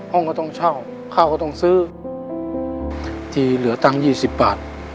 ห้องก็ต้องเช่าข้าวก็ต้องซื้อทีเหลือตังค์ยี่สิบบาท